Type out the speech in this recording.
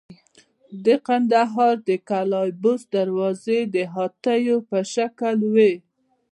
د کندهار د قلعه بست دروازې د هاتیو په شکل وې